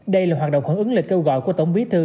đây là hoạt động hưởng ứng lời kêu gọi của tổng bí thư